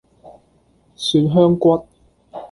蒜香骨